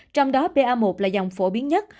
trong đó ba một là dòng phổ biến nhất